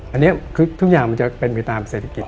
อันนี้คือทุกอย่างมันจะเป็นไปตามเศรษฐกิจ